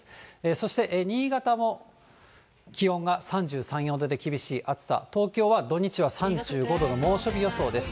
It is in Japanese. そして新潟も気温が３３、４度で厳しい暑さ、東京は土日は３５度の猛暑日予想です。